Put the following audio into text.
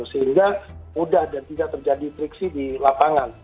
sehingga mudah dan tidak terjadi friksi di lapangan